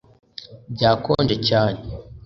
Byakonje cyane